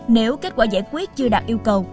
nếu kết quả giải quyết chưa đạt yêu cầu